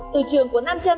từ trường của năm châm